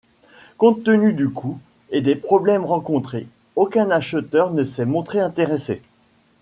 Compte tenu du coût et des problèmes rencontrés, aucun acheteur ne s'est montré intéressé.